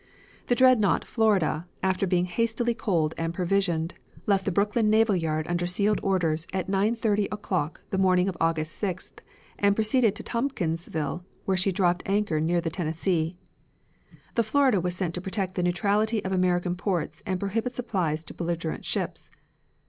The dreadnaught Florida, after being hastily coaled and provisioned, left the Brooklyn Navy Yard under sealed orders at 9.30 o'clock the morning of August 6th and proceeded to Tompkinsville, where she dropped anchor near the Tennessee. The Florida was sent to protect the neutrality of American ports and prohibit supplies to belligerent ships.